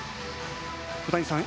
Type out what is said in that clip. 小谷さん